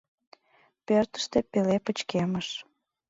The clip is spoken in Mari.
Пӧртыштӧ пеле пычкемыш.